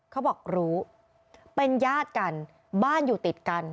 เขาบอกรู้เป็นญาติกันบ้านอยู่ติดกัน